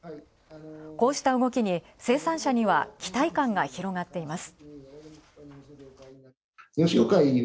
こうした動きに生産者には期待感が広がっています。